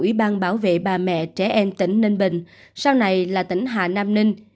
ủy ban bảo vệ bà mẹ trẻ em tỉnh ninh bình sau này là tỉnh hà nam ninh